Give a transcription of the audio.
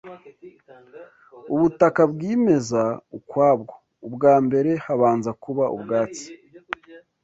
Ubutaka bwimeza ukwabwo, ubwa mbere habanza kuba ubwatsi